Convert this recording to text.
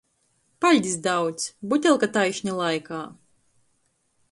Paļdis daudz – butelka taišni laikā.